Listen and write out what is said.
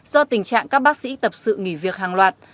do tình trạng các bác sĩ tập sự nghỉ việc hàng loạt